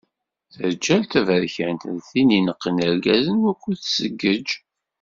Taǧǧalt taberkant d tin ineqqen irgazen ukud tzeggej.